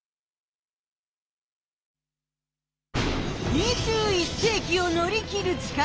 ２１世きを乗り切る力。